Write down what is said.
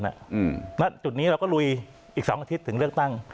และจุดนี้เราก็ลุยอีก๒สัปดาห์ถึงเลือกตั้ง